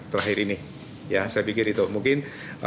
terakhir ini ya saya pikir itu mungkin